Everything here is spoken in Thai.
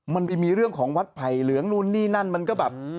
มันมีเรื่องของวัดไผ่เข้าติดมาเรืองมันก็แบบ